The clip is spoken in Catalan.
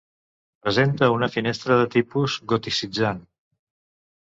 Presenta una finestra de tipus goticitzant.